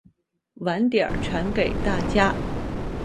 晚点传给大家